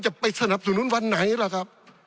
จะไปสนับสนุนวันไหนล่ะครับ